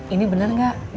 ini bener gak